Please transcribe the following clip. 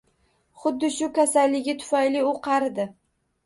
Xuddi shu kasalligi tufayli u qaridi.